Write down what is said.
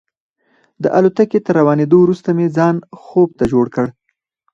د الوتکې تر روانېدو وروسته مې ځان خوب ته جوړ کړ.